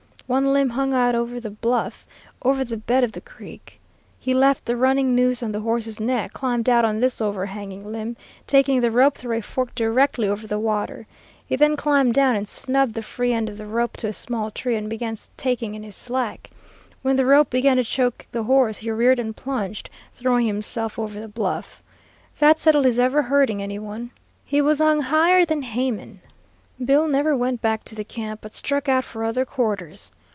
One limb hung out over the bluff, over the bed of the creek. He left the running noose on the horse's neck, climbed out on this overhanging limb, taking the rope through a fork directly over the water. He then climbed down and snubbed the free end of the rope to a small tree, and began taking in his slack. When the rope began to choke the horse, he reared and plunged, throwing himself over the bluff. That settled his ever hurting any one. He was hung higher than Haman. Bill never went back to the camp, but struck out for other quarters.